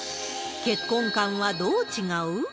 結婚観はどう違う？